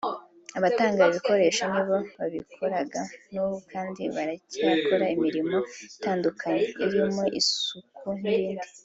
abatanga ibikoresho ni bo babikoraga n’ubu kandi baracyakora imirimo itandukanye irimo isuku n’ibindi